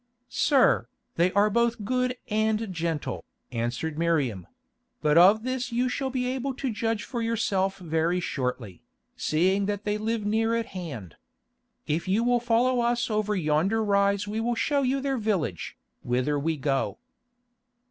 "Sir, they are both good and gentle," answered Miriam; "but of this you will be able to judge for yourself very shortly, seeing that they live near at hand. If you will follow us over yonder rise we will show you their village, whither we go."